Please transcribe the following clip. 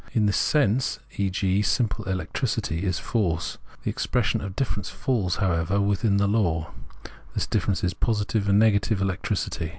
In this sense, e.g., simple electricity is force ; the expression of difference falls, however, within the law ; this difference is positive and negative electricity.